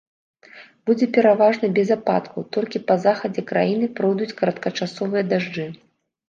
Будзе пераважна без ападкаў, толькі па захадзе краіны пройдуць кароткачасовыя дажджы.